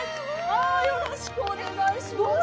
ああよろしくお願いします。